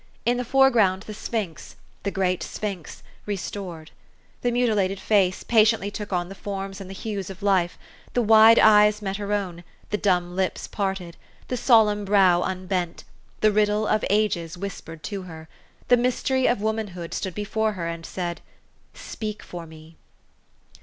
In the foreground the sphinx, the great sphinx, re stored. The mutilated face patiently took on the forms and the hues of life ; the wide eyes met her own ; the dumb lips parted ; the solemn brow un bent. The riddle of ages whispered to her. The mystery of womanhood stood before her, and said, " Speak for me."